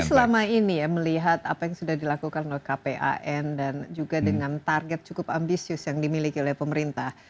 tapi selama ini ya melihat apa yang sudah dilakukan oleh kpan dan juga dengan target cukup ambisius yang dimiliki oleh pemerintah